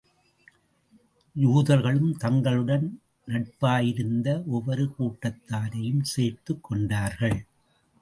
யூதர்களும் தங்களுடன் நட்பாயிருந்த ஒவ்வொரு கூட்டத்தாரையும் சேர்த்துக் கொண்டார்கள்.